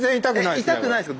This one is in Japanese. え痛くないですか？